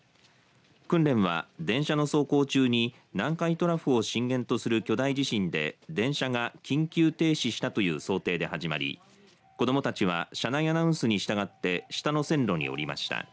訓練は、電車の走行中に南海トラフを震源とする巨大地震で電車が緊急停止したという想定で始まり子どもたちは車内アナウンスに従って下の線路に降りました。